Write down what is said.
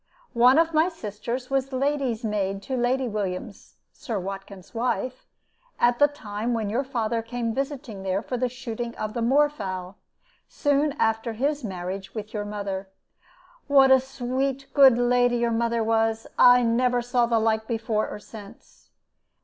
One of my sisters was lady's maid to Lady Williams, Sir Watkin's wife, at the time when your father came visiting there for the shooting of the moor fowl, soon after his marriage with your mother. What a sweet good lady your mother was! I never saw the like before or since.